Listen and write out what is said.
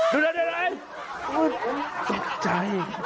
ดูหน่อยตกใจ